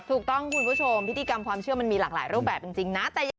คุณผู้ชมพิธีกรรมความเชื่อมันมีหลากหลายรูปแบบจริงนะ